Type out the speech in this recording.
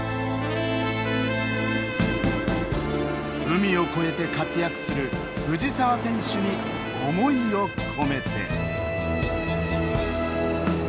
海を越えて活躍する藤澤選手に思いを込めて。